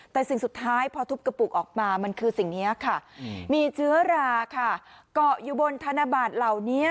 แต่สิ่งสุดท้ายพอทุบกระปุกออกมามันคือสิ่งนี้ค่ะมีเชื้อราค่ะเกาะอยู่บนธนบัตรเหล่านี้